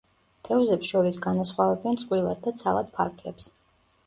თევზებს შორის განასხვავებენ წყვილად და ცალად ფარფლებს.